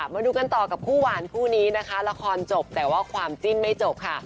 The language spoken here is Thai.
มาดูกันต่อกับคู่หวานคู่นี้นะคะละครจบแต่ว่าความจิ้นไม่จบค่ะ